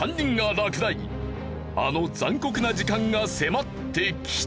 あの残酷な時間が迫ってきた。